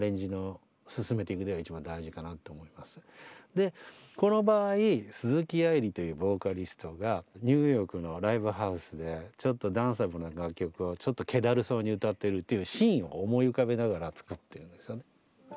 でこの場合鈴木愛理というボーカリストがニューヨークのライブハウスでちょっとダンサブルな楽曲をちょっとけだるそうに歌ってるっていうシーンを思い浮かべながら作ってるんですよね。